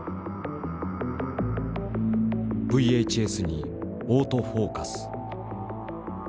ＶＨＳにオートフォーカス。